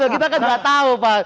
kita kan gak tau pak